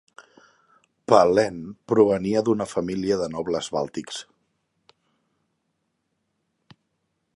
Pahlen provenia d'una família de nobles bàltics.